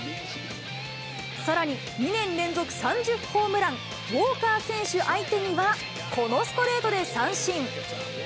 さらに、２年連続３０ホームラン、ウォーカー選手相手には、このストレートで三振。